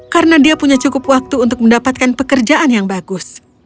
karena dia punya cukup waktu untuk mendapatkan pekerjaan yang bagus